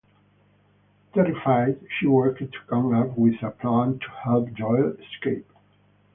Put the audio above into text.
Terrified, she worked to come up with a plan to help Joel escape.